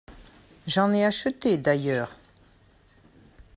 J’en ai acheté d’ailleurs.